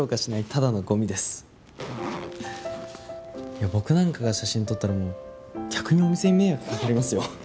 いや僕なんかが写真撮ったらもう逆にお店に迷惑かかりますよ。